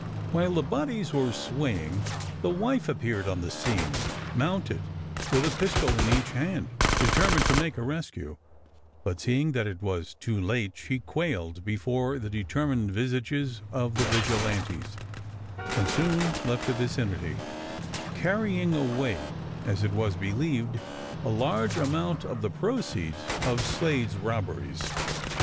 While the bodies were swaying the wife appeared on the scene, mounted, with a pistol in each hand, determined to make a rescue; but seeing that it was too late she quailed before the determined visages of the vigilantes, and soon left the vicinity, carrying away, as it was believed, a large amount of the proceeds of Slade's robberies.